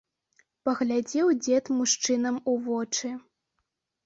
Паглядзеў дзед мужчынам у вочы.